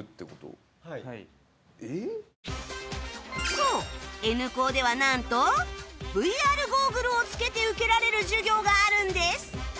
そう Ｎ 高ではなんと ＶＲ ゴーグルをつけて受けられる授業があるんです